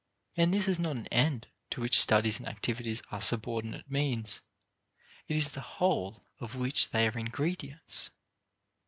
And this is not an end to which studies and activities are subordinate means; it is the whole of which they are ingredients.